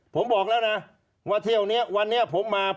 ผมบอกแล้วนะว่าเที่ยวนี้วันนี้ผมมา